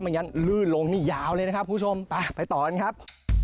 อย่างนั้นลื่นลงนี่ยาวเลยนะครับคุณผู้ชมไปต่อกันครับ